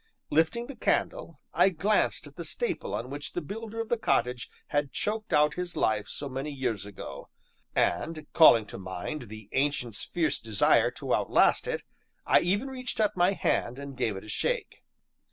Lifting the candle, I glanced at the staple on which the builder of the cottage had choked out his life so many years ago, and, calling to mind the Ancient's fierce desire to outlast it, I even reached up my hand and gave it a shake.